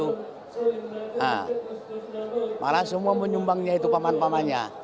nah malah semua menyumbangnya itu paman pamannya